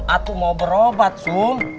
aku mau berobat sum